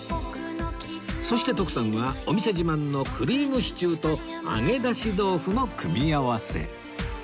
そして徳さんはお店自慢のクリームシチューと揚げ出し豆腐の組み合わせ